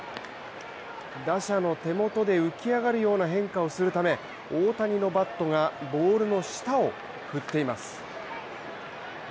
打者の手元で浮き上がるような変化をするため、大谷のバットがボールの下をくぐっています。